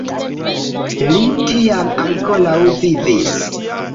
Li tiam ankoraŭ vivis.